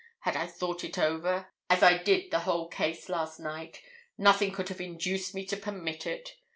Had I thought it over, as I did the whole case last night, nothing could have induced me to permit it.